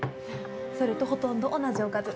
それとほとんど同じおかず。